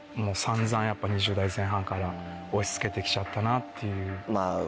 ２０代前半から押し付けて来ちゃったなっていう。